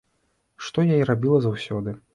Што я і рабіла заўсёды.